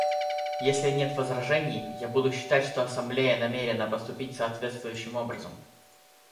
Если нет возражений, я буду считать, что Ассамблея намерена поступить соответствующим образом.